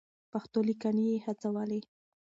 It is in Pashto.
پښتو ليکنې يې هڅولې.